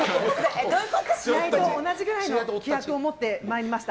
試合と同じくらいの気迫を持って参りました。